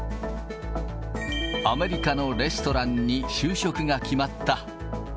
アメリカのレストランに就職が決まった。